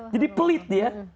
jadi pelit ya